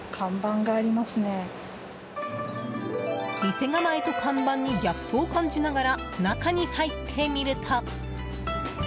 店構えと看板にギャップを感じながら中に入ってみると。